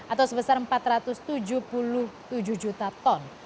atau sebesar empat ratus tujuh puluh tujuh juta ton